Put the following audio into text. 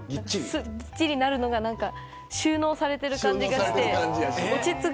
ぴっちりなるのが収納されてる感じがして。